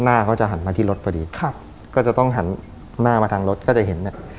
หน้าเขาจะหันมาที่รถพอดีครับก็จะต้องหันหน้ามาทางรถก็จะเห็นเนี่ย